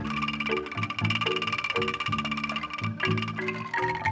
kemudian ravi beralih ke jaluresta anak muda dan dikumpulin dicoba